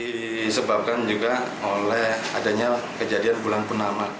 disebabkan juga oleh adanya kejadian bulan purnama